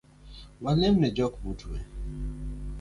Walem ne jok maotwe